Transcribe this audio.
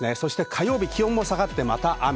火曜日、気温が下がって、また雨。